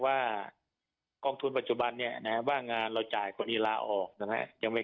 ว่ากองทุนปัจจุบันนี้นี่แหละบ้างอ่ะเราจ่ายค่อยนิลาออกนะฮะยังไม่